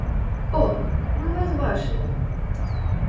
О, мы вас бачылі!